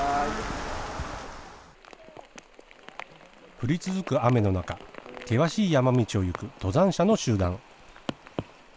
降り続く雨の中、険しい山道を行く登山者の集団。